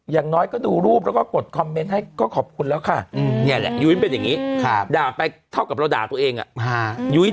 อย่างน้อยก็ดูรูปแล้วก็กดคอมเมนต์ให้ก็ขอบคุณแล้วค่ะนี่แหละยุ้ยมันเป็นอย่างนี้ด่าไปเท่ากับเราด่าตัวเองอะ